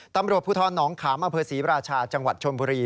ตำรวจผู้ท้อนน้องขามอศรีราชาจังหวัดชมพุรี